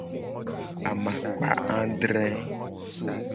Amakpa adre.